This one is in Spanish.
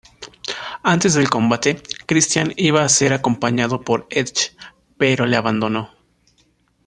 Antes del combate Christian iba a ser acompañado por Edge pero le abandono.